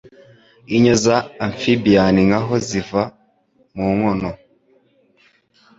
inyo za amphibian nkaho ziva mu nkono